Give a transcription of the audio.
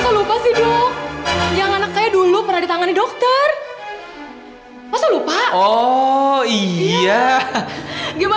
oma tunggu saat dokternya